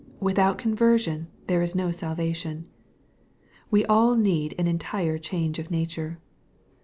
Without conversion there is no salvation. We all need an entire change of nature.